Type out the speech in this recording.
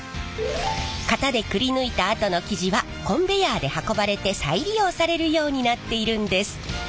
型でくりぬいたあとの生地はコンベヤーで運ばれて再利用されるようになっているんです。